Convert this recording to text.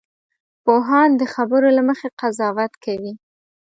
پوهان د خبرو له مخې قضاوت کوي